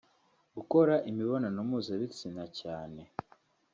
Gukora imibonano mpuzabitsina cyane